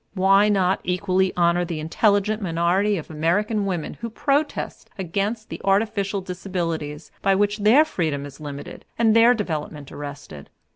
Why not equally honor the intelligent minority of American women who protest against the artificial disabilities by which their freedom is limited and their development arrested?